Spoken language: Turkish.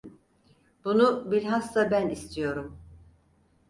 Bunu bilhassa ben istiyorum.